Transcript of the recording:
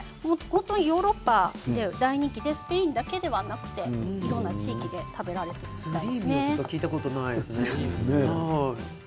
ヨーロッパで大人気でスペインだけではなくいろんな地域で食べられています。